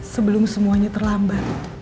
sebelum semuanya terlambat